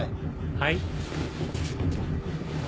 はい。